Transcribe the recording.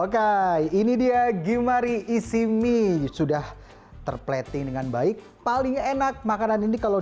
oke ini dia gimari isi mie sudah terplating dengan baik paling enak makanan ini kalau